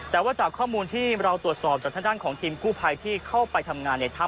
แต่ว่าจากข้อมูลที่เราตรวจสอบจากทางด้านของทีมกู้ภัยที่เข้าไปทำงานในถ้ำ